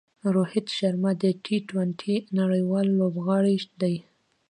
روهیت شرما د ټي ټوئنټي نړۍوال لوبغاړی دئ.